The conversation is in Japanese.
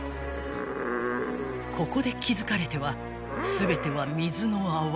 ［ここで気付かれては全ては水の泡］